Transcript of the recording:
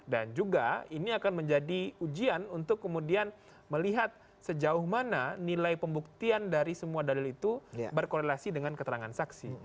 dan juga ini akan menjadi ujian untuk kemudian melihat sejauh mana nilai pembuktian dari semua dalil itu berkorelasi dengan keterangan saksi